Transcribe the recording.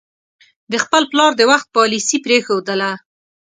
د خپل پلار د وخت پالیسي پرېښودله.